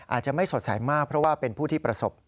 อาจจะไม่สดใสมากเพราะว่าเป็นผู้ที่ประสบ